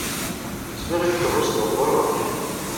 Sliɣ i tkeṛṛust ɣer beṛṛa.